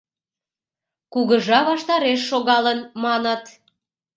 Кугыжа ваштареш шогалын, маныт.